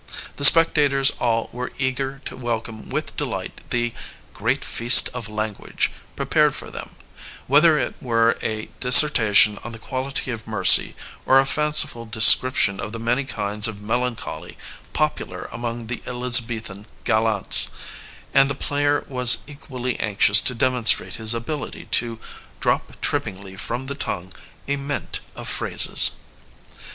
The spectators all were eager to welcome with delight the great feast of lan guage'* prepared for them, whether it were a dis sertation on the quality of mercy or a fanciful description of the many kinds of melancholy popu lar among the Elizabethan gallants ; and the player was equally anxious to demonstrate his ability to drop trippingly from the tongue a mint of phrases.